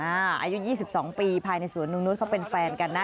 อายุ๒๒ปีภายในสวนนุ่งนุษย์เขาเป็นแฟนกันนะ